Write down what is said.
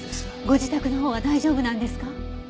ご自宅のほうは大丈夫なんですか？